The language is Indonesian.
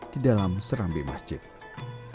di dalam serambi masjid magelanjo tengah